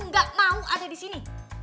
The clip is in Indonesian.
ga mau ada disini